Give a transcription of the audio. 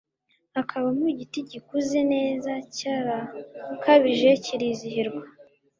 hakabamo igiti gikuze neza cyarakabije kirizihirwa